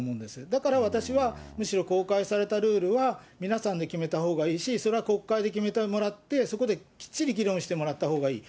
だから、私はむしろ公開されたルールは、皆さんで決めたほうがいいし、それは国会で決めてもらって、そこできっちり議論してもらったほうがいい。